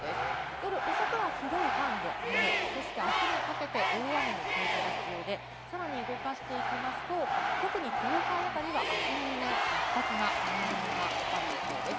夜遅くは広い範囲で雨、そして明日にかけて大雨に警戒が必要で、さらに動かしていきますと、特に東海あたりがあすの未明、活発な雨雲がかかる予想です。